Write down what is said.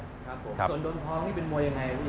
ส่วนโดมทองนี่เป็นมวยอย่างไรครับพี่